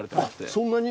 そんなに？